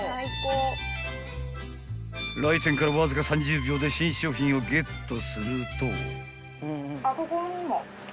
［来店からわずか３０秒で新商品をゲットすると］